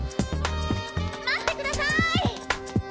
待ってください。